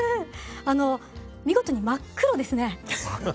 あの見事に真っ黒ですね。